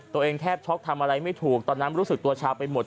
ตัวเองแทบช็อกทำอะไรไม่ถูกตอนนั้นรู้สึกตัวชาไปหมด